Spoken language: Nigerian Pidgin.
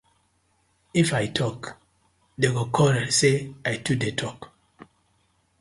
If I tok dem go quarll say I too dey tok.